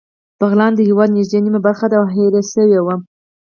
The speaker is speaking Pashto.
بغلان د هېواد نږدې نیمه برخه ده او هېره شوې وه